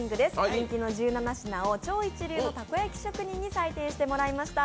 人気の１７品を超一流のたこ焼き職人に採点してもらいました。